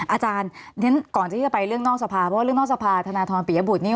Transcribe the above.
อาจารย์ก่อนที่จะไปเรื่องนอกสภาเพราะว่าเรื่องนอกสภาธนทรปิยบุตรนี่